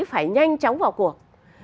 phải nhanh chóng vào cuộc